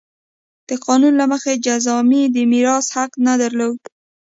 د قانون له مخې جذامي د میراث حق نه درلود.